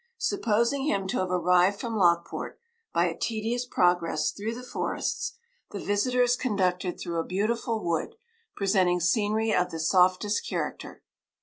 Supposing him to have arrived from Lockport, by a tedious progress through the forests, the visitor is conducted through a beautiful wood, presenting scenery of the softest character.